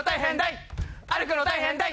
い歩くの大変だ